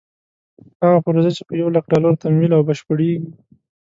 هغه پروژه چې په یو لک ډالرو تمویل او بشپړېږي.